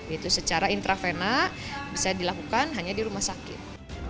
itu secara intravena bisa dilakukan hanya di rumah sakit